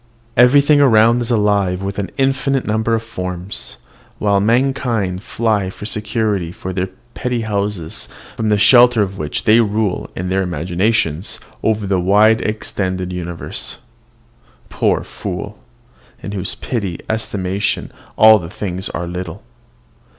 Everything around is alive with an infinite number of forms; while mankind fly for security to their petty houses, from the shelter of which they rule in their imaginations over the wide extended universe. Poor fool! in whose petty estimation all things are little.